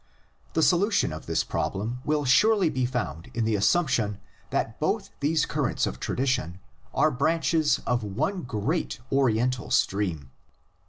The solution of this prob lem will surely be found in the assumption that both these currents of tradition are branches of one great Oriental stream.